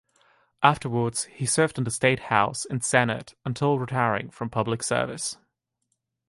Afterwards he served in the state House and Senate until retiring from public service.